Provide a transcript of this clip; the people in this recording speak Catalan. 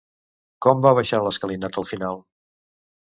Com va baixar l'escalinata al final?